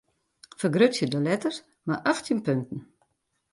Fergrutsje de letters mei achttjin punten.